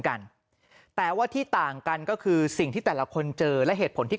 กันแต่ว่าที่ต่างกันก็คือสิ่งที่แต่ละคนเจอและเหตุผลที่